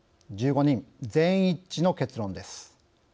１５人全員一致の結論です。